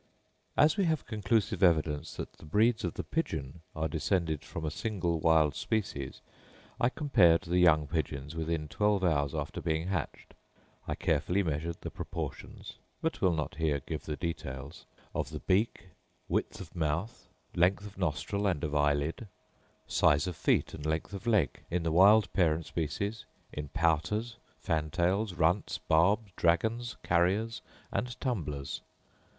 As we have conclusive evidence that the breeds of the Pigeon are descended from a single wild species, I compared the young pigeons within twelve hours after being hatched. I carefully measured the proportions (but will not here give the details) of the beak, width of mouth, length of nostril and of eyelid, size of feet and length of leg, in the wild parent species, in pouters, fantails, runts, barbs, dragons, carriers, and tumblers.